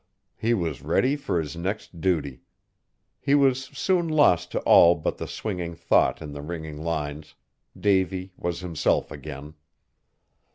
He was ready for his next duty! He was soon lost to all but the swinging thought in the ringing lines. Davy was himself again!